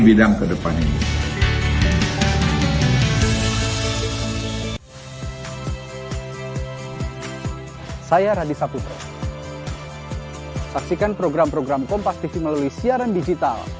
bidang kedepannya saya raditya putra saksikan program program kompas tv melalui siaran digital